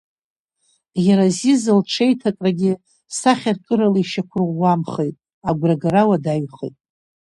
Иара Зиза лҽеиҭакрагьы сахьаркырала ишьақәырӷәӷәамхеит, агәрагара уадаҩхеит.